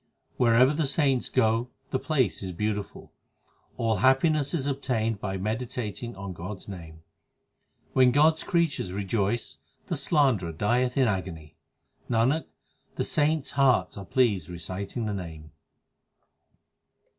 18 Wherever the saints go, the place is beautiful. All happiness is obtained by meditating on God s name. When God s creatures rejoice, the slanderer dieth in agony. Nanak, the saints hearts are pleased reciting the Name.